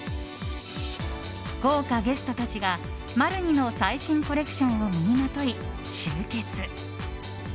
豪華ゲストたちがマルニの最新コレクションを身にまとい、集結。